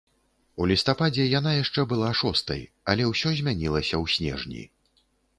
У лістападзе яна яшчэ была шостай, але ўсё змянілася ў снежні.